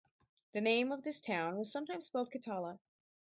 The name of this town was sometimes spelled Catalla.